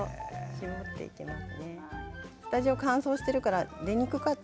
絞っていきます。